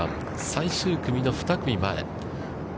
最終組の２組前。